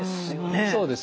そうですね。